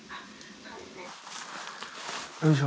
よいしょ。